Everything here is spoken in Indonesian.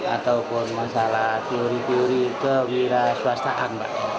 ataupun masalah teori teori kewira swastaan